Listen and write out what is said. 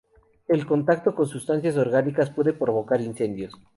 En contacto con sustancias orgánicas puede provocar incendios.